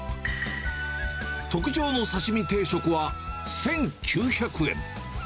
特上の刺し身定食は１９００円。